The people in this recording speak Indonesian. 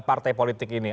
tiga partai politik ini